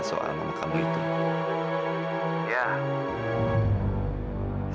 sekarang kan saya jadi superman